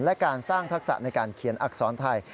และการสร้างทักษะในการเขียนอักษรไทย